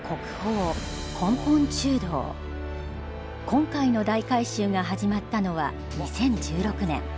今回の大改修が始まったのは２０１６年。